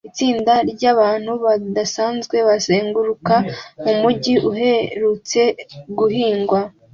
Itsinda ryabantu badasanzwe bazenguruka mumujyi uherutse guhingwa